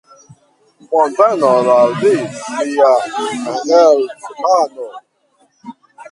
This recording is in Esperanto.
Bonvenon al vi, mia hetmano!